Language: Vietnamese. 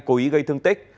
cố ý gây thương tích